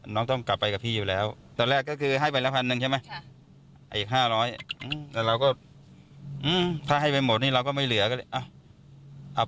น้องรอแป๊บนึงนะห้องนี้ดีแล้ว